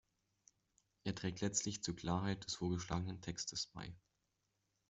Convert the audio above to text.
Er trägt letztlich zur Klarheit des vorgeschlagenen Textes bei.